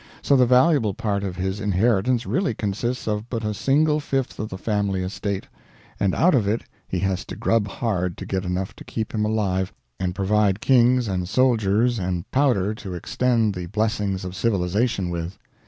So the valuable part of his inheritance really consists of but a single fifth of the family estate; and out of it he has to grub hard to get enough to keep him alive and provide kings and soldiers and powder to extend the blessings of civilization with.